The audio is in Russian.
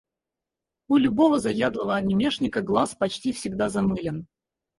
У любого заядлого анимешника глаз почти всегда замылен.